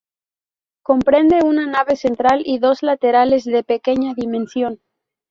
Comprende una nave central y dos laterales de pequeña dimensión.